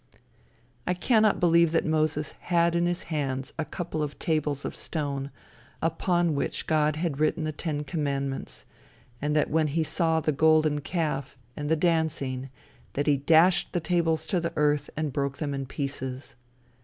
I cannot believe that Moses had in his hands a couple of tables of stone, upon which God had written the ten commandments, and that when he saw the golden calf, and the dancing, that he dashed the tables to the earth and broke them in pieces.